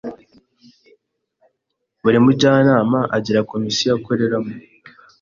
Buri Mujyanama agira Komisiyo akoreramo